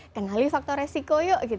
kenali faktor resiko yuk